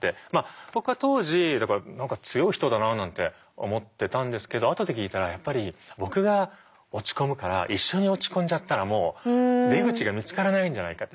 僕は当時だから何か強い人だなあなんて思ってたんですけど後で聞いたらやっぱり僕が落ち込むから一緒に落ち込んじゃったらもう出口が見つからないんじゃないかって。